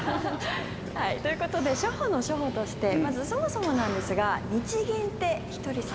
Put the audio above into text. ということで初歩の初歩としてまず、そもそもなんですが日銀って、ひとりさん